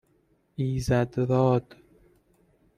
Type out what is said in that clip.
ایزدراد